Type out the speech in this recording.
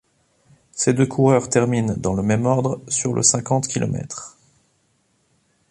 Ces deux coureurs terminent dans le même ordre sur le cinquante kilomètres.